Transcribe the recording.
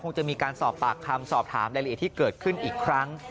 คงจะมีการสอบปากคำสอบถามรายละเอียดที่เกิดขึ้นอีกครั้ง